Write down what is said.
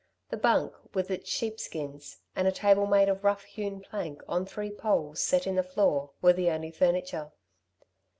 The bunk, with its sheepskins, and a table made of a rough hewn plank on three poles set in the floor, were the only furniture.